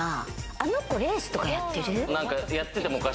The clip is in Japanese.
あの子、レースとかやってる？